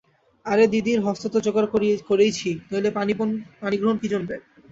আরে, দিদির হস্ত তো জোগাড় করেইছি, নইলে পাণিগ্রহণ কী জন্যে?